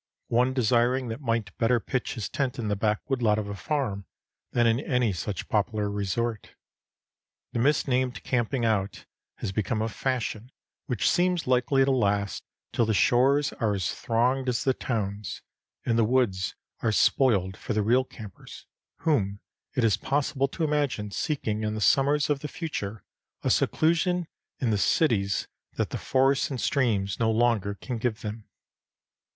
One desiring that might better pitch his tent in the back woodlot of a farm than in any such popular resort. This misnamed camping out has become a fashion which seems likely to last till the shores are as thronged as the towns, and the woods are spoiled for the real campers, whom it is possible to imagine seeking in the summers of the future a seclusion in the cities that the forests and streams no longer can give them.